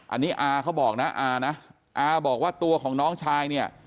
อันนี้อาเขาบอกนะอานะอาบอกว่าตัวของน้องชายเนี่ย